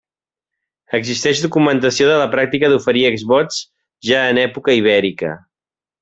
Existeix documentació de la pràctica d'oferir exvots ja en època ibèrica.